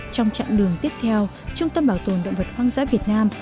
trong chặng đường tiếp theo trung tâm bảo tồn động vật hoang dã việt nam